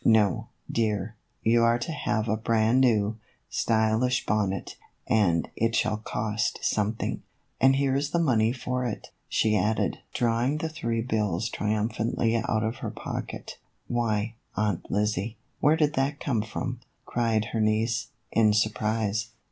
" No, dear ; you are to have a brand new, stylish bonnet, and it shall cost something ; and here is the money for it," she added, drawing the three bills triumphantly out of her pocket. " Why, Aunt Lizzie, where did that come from ?" cried her niece, in surprise.